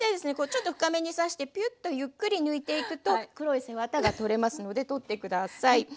ちょっと深めに刺してピュッとゆっくり抜いていくと黒い背ワタが取れますので取って下さい。